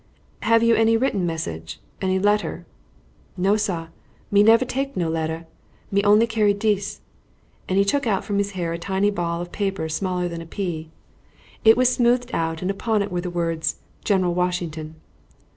"Have you any written message any letter?" "No, sar, me never take no letter. Me only carry dis." And he took out from his hair a tiny ball of paper smaller than a pea. It was smoothed out, and upon it, were the words, "General Washington."